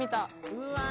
うわ。